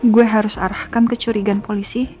gue harus arahkan kecurigaan polisi